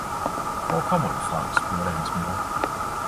Hvor kommer du fra? spurgte hans moder.